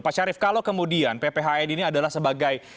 pak sarif kalau kemudian pphid ini adalah sebagai